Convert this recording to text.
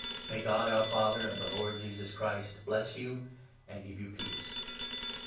May God, our Father, and the Lord Jesus Christ bless you and 3 give you peace.